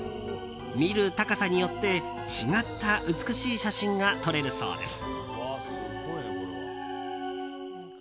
見る高さによって違った美しい写真が撮れるそうです。